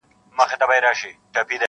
او حالت ډېر دروند ښکاري-